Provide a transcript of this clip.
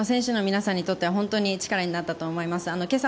選手のに皆さんにとっては力になったと思います。